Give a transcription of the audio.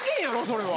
それは。